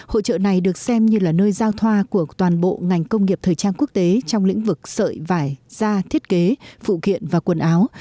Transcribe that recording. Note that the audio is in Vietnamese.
hội trợ này được xem như là nơi giao thoa của toàn bộ ngành công nghiệp thời trang quốc tế trong lĩnh vực sợi vải da thiết kế phụ kiện và quần áo